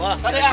wah kaget ya